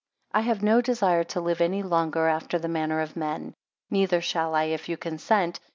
6 I have no desire to live any longer after the manner of men; neither shall I, if you consent.